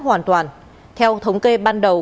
hoàn toàn theo thống kê ban đầu